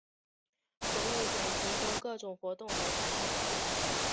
博物馆提供各种活动和展品。